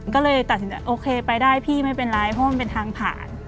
ก็เลยตัดสินใจโอเคไปได้พี่ไม่เป็นไรเพราะมันเป็นทางผ่าน